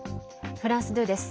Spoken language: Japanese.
フランス２です。